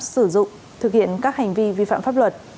sử dụng thực hiện các hành vi vi phạm pháp luật